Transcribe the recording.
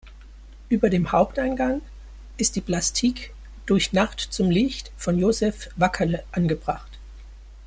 Über dem Haupteingang ist die Plastik „Durch Nacht zum Licht“ von Joseph Wackerle angebracht.